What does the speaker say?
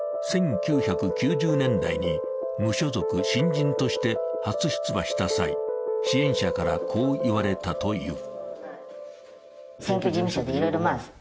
１９９０年代に無所属・新人として初出馬した際、支援者からこう言われたという。